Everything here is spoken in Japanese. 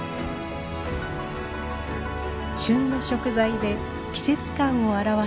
旬の食材で季節感を表す京料理。